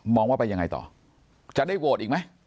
ว่าไปยังไงต่อจะได้โหวตอีกไหม